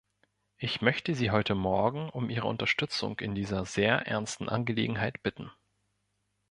Ich möchte Sie heute morgen um Ihre Unterstützung in dieser sehr ernsten Angelegenheit bitten.